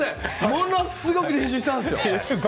ものすごく練習したんですよ。